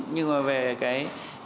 nhưng mà về cái